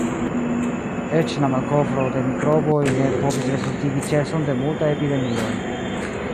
Eĉ la malkovro de mikroboj ne povis rezultigi ĉeson de multaj epidemioj.